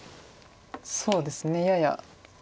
そうですねやや。